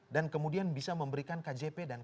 dan kemudian bisa memberikan kjp dan kjs